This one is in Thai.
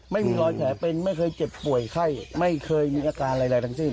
ไม่มีรอยแผลเป็นไม่เคยเจ็บป่วยไข้ไม่เคยมีอาการอะไรทั้งสิ้น